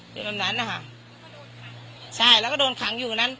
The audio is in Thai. อยู่แบบนั้นอะค่ะใช่แล้วก็โดนขังอยู่อยู่นั้น